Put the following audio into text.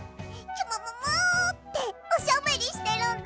きゅももも！」っておしゃべりしてるんだ。